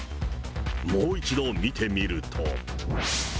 もう一度見てみると。